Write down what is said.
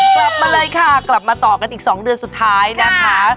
กลับมาเลยค่ะกลับมาต่อกันอีก๒เดือนสุดท้ายนะคะ